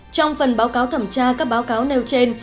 trong phần báo cáo thẩm tra các báo cáo nêu trên